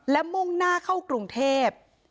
และมุ่งหน้าเข้ากรุงเทพ